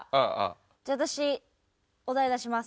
じゃあ私お題出します。